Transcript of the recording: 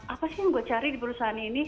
apa sih yang gue cari di perusahaan ini